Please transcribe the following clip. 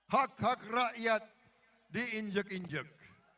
hak hak rakyat diinjek injek